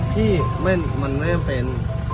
ที่ว่ามันไม่เอาเป็น